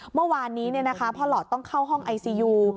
เมื่อวานนี้พ่อหลอดต้องเข้าห้องไอซียู